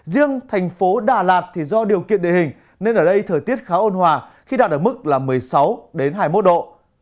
riêng thành phố đà lạt thì do điều kiện địa hình nên ở đây thời tiết khá ôn hòa khi đạt ở mức là một mươi sáu hai mươi một độ